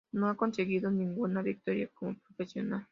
No ha conseguido ninguna victoria como profesional